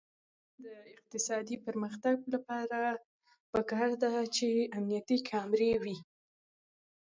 د افغانستان د اقتصادي پرمختګ لپاره پکار ده چې امنیتي کامرې وي.